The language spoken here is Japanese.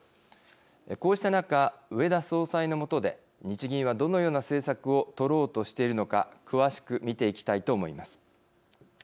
こうした中植田総裁の下で、日銀はどのような政策を取ろうとしているのか詳しく見ていきたいと思います。